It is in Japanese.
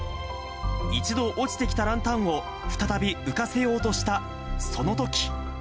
一度落ちてきたランタンを、再び浮かせようとした、そのとき。